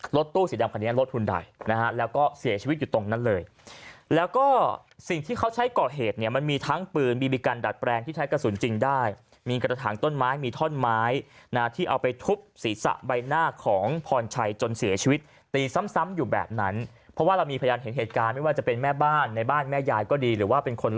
รถตู้สีดำคันนี้ลดทุนใดนะฮะแล้วก็เสียชีวิตอยู่ตรงนั้นเลยแล้วก็สิ่งที่เขาใช้ก่อเหตุเนี่ยมันมีทั้งปืนบีบีกันดัดแปลงที่ใช้กระสุนจริงได้มีกระถางต้นไม้มีท่อนไม้นะที่เอาไปทุบศีรษะใบหน้าของพรชัยจนเสียชีวิตตีซ้ำอยู่แบบนั้นเพราะว่าเรามีพยานเห็นเหตุการณ์ไม่ว่าจะเป็นแม่บ้านในบ้านแม่ยายก็ดีหรือว่าเป็นคน